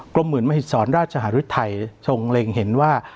กรมอื่นมหิตสอนราชหาริตไทยชงเล็งเห็นว่า